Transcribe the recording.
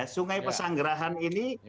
sungai pesanggerahan ini